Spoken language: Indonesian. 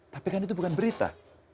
tapi kan itu bukan berita